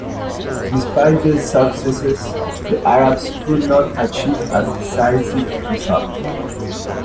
Despite these successes, the Arabs could not achieve a decisive result.